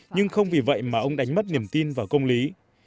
nhưng không vì vậy mà ông đánh mất niềm tin vào công lý